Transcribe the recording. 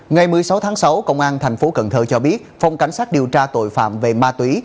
ngày một mươi sáu tháng sáu công an thành phố cần thơ cho biết phòng cảnh sát điều tra tội phạm về ma túy